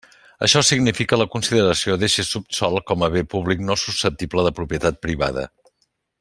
Això significa la consideració d'eixe subsòl com a bé públic no susceptible de propietat privada.